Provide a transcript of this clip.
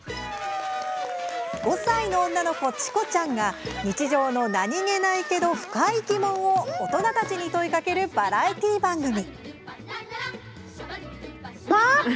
５歳の女の子、チコちゃんが日常の何気ないけど深い疑問を大人たちに問いかけるバラエティー番組。